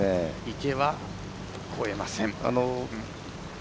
池は越えません。